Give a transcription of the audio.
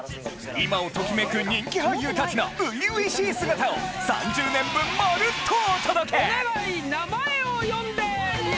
今をときめく人気俳優たちの初々しい姿を３０年分まるっとお届け！